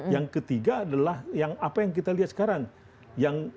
yang ketiga adalah apa yang kita lihat sekarang